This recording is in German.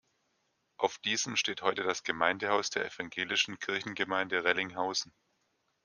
Auf diesem steht heute das Gemeindehaus der Evangelischen Kirchengemeinde Rellinghausen.